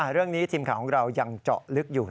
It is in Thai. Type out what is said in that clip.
ทีมข่าวของเรายังเจาะลึกอยู่